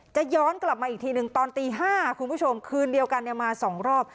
ย้อนกลับมาอีกทีหนึ่งตอนตี๕คุณผู้ชมคืนเดียวกันเนี่ยมา๒รอบ